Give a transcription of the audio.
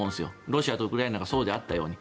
ロシアとウクライナがそうであったように。